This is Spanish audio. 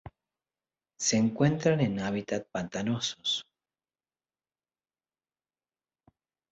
Se encuentran en hábitats pantanosos.